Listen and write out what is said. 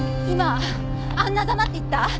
今あんなざまって言った？